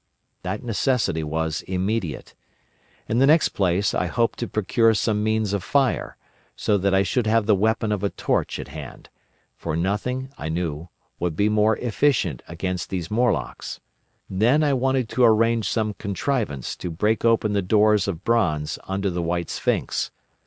That necessity was immediate. In the next place, I hoped to procure some means of fire, so that I should have the weapon of a torch at hand, for nothing, I knew, would be more efficient against these Morlocks. Then I wanted to arrange some contrivance to break open the doors of bronze under the White Sphinx.